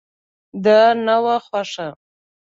دا نه وه خوښه.